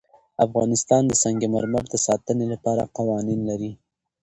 افغانستان د سنگ مرمر د ساتنې لپاره قوانین لري.